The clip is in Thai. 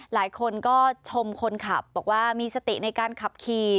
หลายคนก็ชมคนขับบอกว่ามีสติในการขับขี่